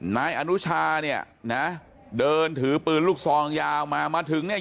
นายอนุชาเนี่ยนะเดินถือปืนลูกซองยาวมามาถึงเนี่ย